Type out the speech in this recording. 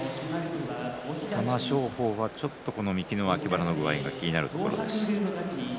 玉正鳳はちょっと右の脇腹の具合が気になるところです。